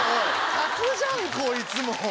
客じゃんこいつもう。